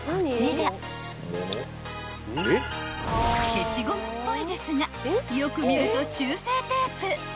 ［消しゴムっぽいですがよく見ると修正テープ］